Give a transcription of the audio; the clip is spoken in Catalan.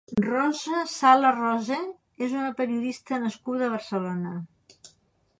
Rosa Sala Rose és una periodista nascuda a Barcelona.